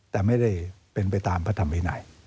แต่ไม่ได้เป็นไปตามพระธรรมวินัย